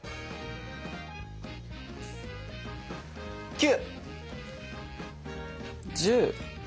９！１０！